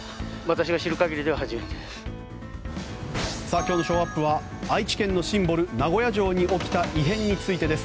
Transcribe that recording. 今日のショーアップは愛知県のシンボル名古屋城に起きた異変についてです。